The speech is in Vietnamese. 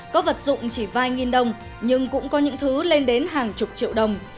có vật dụng chỉ vài nghìn đồng nhưng cũng có những thứ lên đến hàng chục triệu đồng